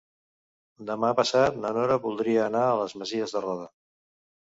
Demà passat na Nora voldria anar a les Masies de Roda.